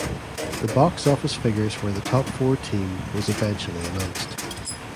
The box office figures for the top four team was eventually announced.